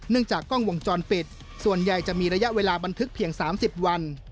จากกล้องวงจรปิดส่วนใหญ่จะมีระยะเวลาบันทึกเพียง๓๐วัน